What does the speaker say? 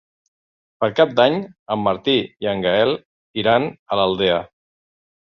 Per Cap d'Any en Martí i en Gaël iran a l'Aldea.